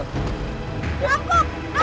rampok rampok rampok